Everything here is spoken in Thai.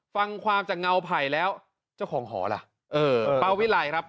ฟังความจากเงาไผ่แล้วเจ้าของหอล่ะเออป้าวิไลครับ